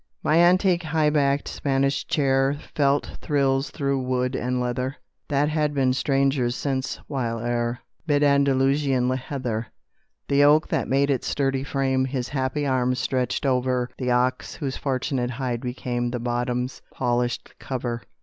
My antique high backed Spanish chair Felt thrills through wood and leather, That had been strangers since whilere, Mid Andalusian heather, The oak that made its sturdy frame His happy arms stretched over The ox whose fortunate hide became The bottom's polished cover.